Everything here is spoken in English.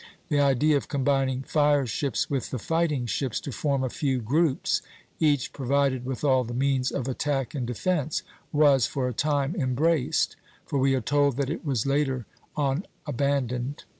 "The idea of combining fire ships with the fighting ships to form a few groups, each provided with all the means of attack and defence," was for a time embraced; for we are told that it was later on abandoned.